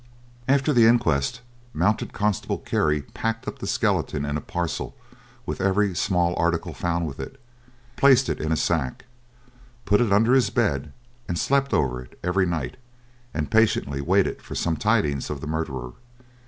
After the inquest mounted constable Kerry packed up the skeleton in a parcel with every small article found with it, placed it in a sack, put it under his bed, slept over it every night, and patiently waited for some tidings of the murderer.